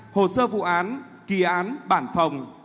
hồ sơ vụ án kỳ án bản phòng